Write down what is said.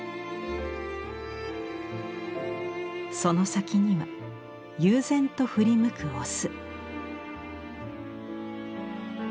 その先には悠然と振り向くオス。